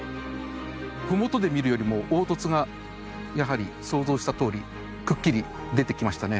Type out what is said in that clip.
麓で見るよりも凹凸がやはり想像したとおりくっきり出てきましたね。